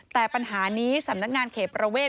แต่ปัญหานี้สำนักงานเขตประเวท